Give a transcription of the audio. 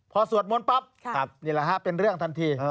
พอสวดมนต์ปั๊บนี่แหละฮะเป็นเรื่องทันที